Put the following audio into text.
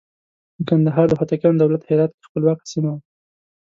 د کندهار د هوتکیانو دولت هرات کې خپلواکه سیمه وه.